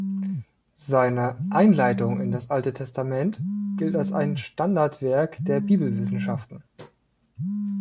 Seine "Einleitung in das Alte Testament" gilt als ein Standardwerk der Bibelwissenschaften.